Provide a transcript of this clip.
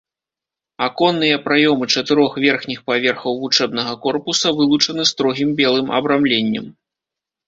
Аконныя праёмы чатырох верхніх паверхаў вучэбнага корпуса вылучаны строгім белым абрамленнем.